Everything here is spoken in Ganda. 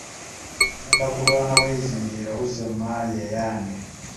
Ngenda kulwana bwezizingirire okuzza emmaali eyange.